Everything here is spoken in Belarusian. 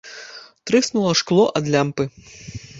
Трэснула шкло ад лямпы.